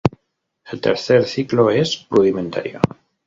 El tercer ciclo es rudimentario.